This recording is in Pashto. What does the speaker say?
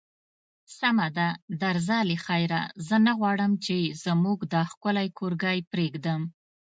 سمه ده، درځه له خیره، زه نه غواړم چې زموږ دا ښکلی کورګی پرېږدم.